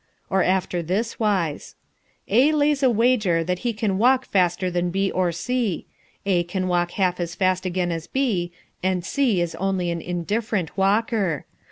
Or after this wise: "A lays a wager that he can walk faster than B or C. A can walk half as fast again as B, and C is only an indifferent walker.